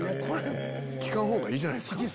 聞かん方がいいじゃないっすか。